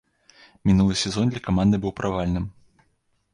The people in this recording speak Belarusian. Мінулы сезон для каманды быў правальным.